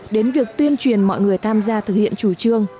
đến việc tuyên truyền mọi người tham gia thực hiện chủ trương